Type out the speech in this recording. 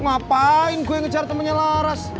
ngapain gue ngejar temennya laras